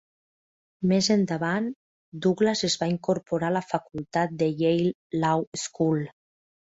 Més endavant, Douglas es va incorporar a la facultat de Yale Law School.